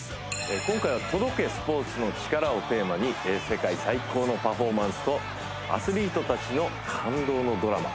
今回は「届け、スポーツのチカラ。」をテーマに世界最高のパフォーマンスとアスリートたちの感動のドラマ